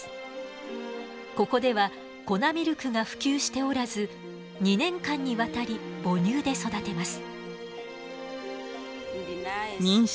ここでは粉ミルクが普及しておらず２年間にわたり母乳で育てます。